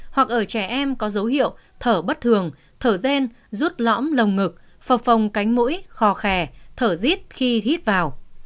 hoặc ở trẻ em có dấu hiệu thở bất thường thở gen rút lõm lồng ngực phọc phòng cánh mũi khò khè thở giết khi hít vào